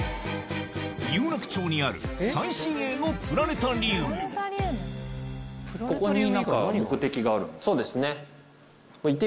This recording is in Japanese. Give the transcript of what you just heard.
有楽町にある最新鋭のプラネタリウムそうですね。